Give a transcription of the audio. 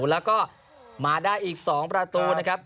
แล้วก็มาได้อีก๒ประตูนะครับ